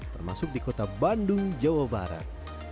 termasuk di kota bandung jawa barat